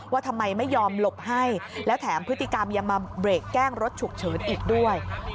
ว่าทำไมไม่ยอมหลบให้แล้วแถมพฤติกรรมยังมาเบรกแกล้งรถฉุกเฉินอีกด้วย